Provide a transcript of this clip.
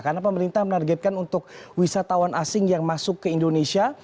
karena pemerintah menargetkan untuk wisatawan asing yang masuk ke indonesia